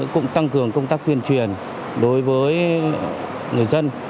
cũng tăng cường công tác tuyên truyền đối với người dân